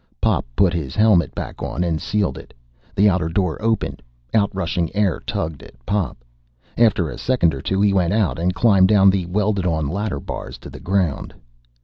Pop put his helmet back on and sealed it. The outer door opened. Outrushing air tugged at Pop. After a second or two he went out and climbed down the welded on ladder bars to the ground.